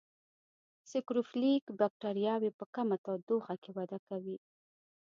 سیکروفیلیک بکټریاوې په کمه تودوخه کې وده کوي.